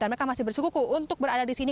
dan mereka masih bersikuku untuk berada di sini